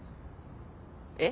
えっ？